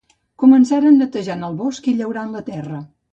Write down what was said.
Començaren netejant el bosc i llaurant la terra.